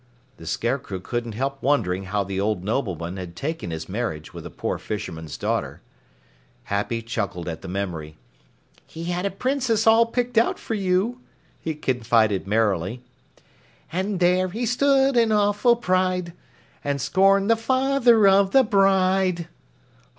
The Scarecrow couldn't help wondering how the old Nobleman had taken his marriage with a poor fisherman's daughter. Happy chuckled at the memory. "He had a Princess all picked out for you," he confided merrily: And there he stood in awful pride And scorned the father of the bride!